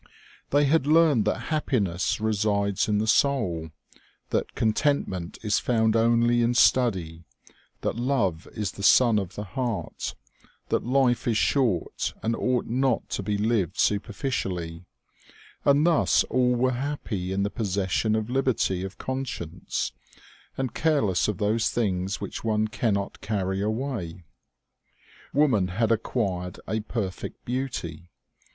They had learned that happiness resides in the soul, that contentment is found only in study, that love is the sun of the heart, that life is short and ought not to be lived super ficially ; and thus all were happy in the possession of liberty of conscience, and careless of those things which one cannot carry away. Woman had acquired a perfect beauty.